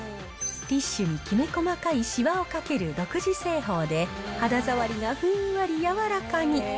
ティッシュにきめ細かいしわをかける独自製法で、肌触りがふんわり柔らかに。